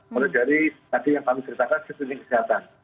mulai dari tadi yang kami ceritakan sesuai dengan kesehatan